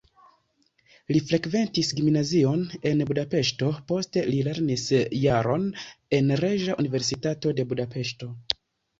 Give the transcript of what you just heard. Li frekventis gimnazion en Budapeŝto, poste li lernis jaron en Reĝa Universitato de Budapeŝto.